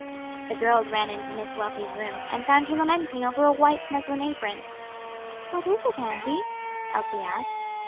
The girls ran into Miss Wealthy's room, and found her lamenting over a white muslin apron. "What is it, auntie?" Elsie asked.